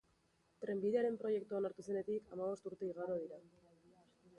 Trenbidearen proiektua onartu zenetik hamabost urte igaro dira.